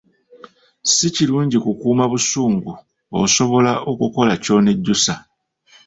Si kirungi kukuuma busungu osobola okukola ky'onnejjusa.